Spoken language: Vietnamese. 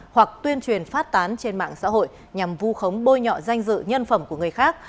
hoặc tuyên truyền phát tán trên mạng xã hội nhằm vu khống bôi nhọ danh dự nhân phẩm của người khác